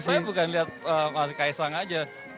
saya bukan lihat mas kaisang aja